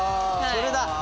それだ。